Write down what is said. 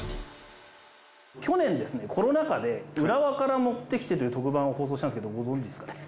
去年ですねコロナ禍で『浦和から持ってきて！』という特番を放送したんですけどご存じですかね？